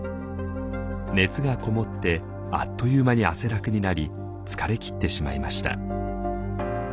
熱が籠もってあっという間に汗だくになり疲れきってしまいました。